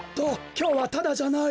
きょうはタダじゃないよ。